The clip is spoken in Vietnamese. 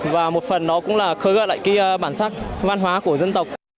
và một phần đó cũng là khơi gặp lại bản sắc văn hóa của dân tộc